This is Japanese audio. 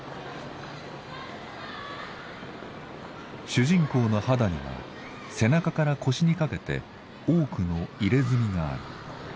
主人公の肌には背中から腰にかけて多くの刺青がある。